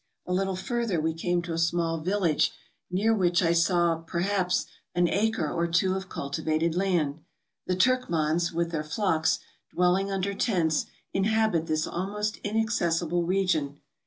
A little further we MOUNT TAURUS. 191 came to a small village, near which I saw, perhaps, an acre or two of cultivated land. The Turkmans, with their flocks, dwelling under tents, inhabit this almost inaccessible region.